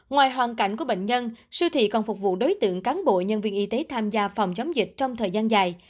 ngoài hoàn cảnh của bệnh nhân siêu thị còn phục vụ đối tượng cán bộ nhân viên y tế tham gia phòng chống dịch trong thời gian dài